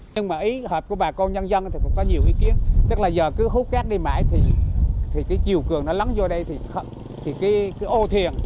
nhưng mà ý hợp của bà công nhân dân thì cũng có nhiều ý kiến tức là giờ cứ hút cát đi mãi thì cái chiều cường nó lắng vô đây thì cứ ô thuyền